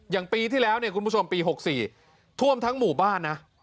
ปีที่แล้วเนี่ยคุณผู้ชมปี๖๔ท่วมทั้งหมู่บ้านนะ